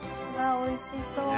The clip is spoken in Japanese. おいしそう。